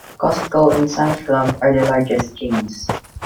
Costco and Sam's Club are the largest chains.